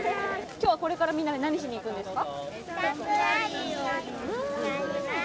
今日はこれからみんなで何しに行くんですか？